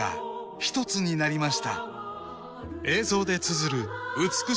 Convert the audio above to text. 緑になりました。